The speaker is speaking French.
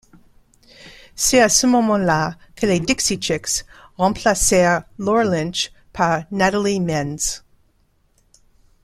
C'est à ce moment-là que les Dixie Chicks remplacèrent Laura Lynch par Natalie Maines.